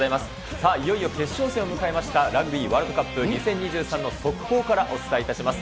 さあ、いよいよ決勝戦を迎えました、ラグビーワールドカップ２０２３の速報からお伝えいたします。